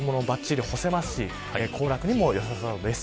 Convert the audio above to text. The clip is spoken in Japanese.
ばっちり干せますし行楽にも良さそうです。